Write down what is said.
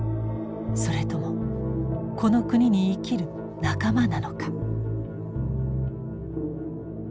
それともこの国に生きる仲間なのか。